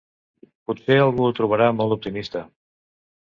Potser algú ho trobarà molt optimista.